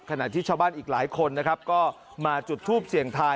ขณะที่ชาวบ้านอีกหลายคนนะครับก็มาจุดทูปเสี่ยงทาย